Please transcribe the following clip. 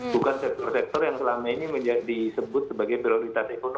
bukan sektor sektor yang selama ini disebut sebagai prioritas ekonomi